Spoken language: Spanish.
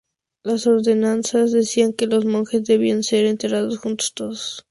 Las ordenanzas decían que los monjes debían ser enterrados todos juntos.